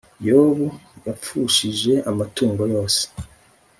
yobu yapfushije amatungo yose